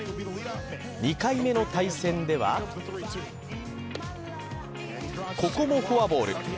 ２回目の対戦では、ここもフォアボール。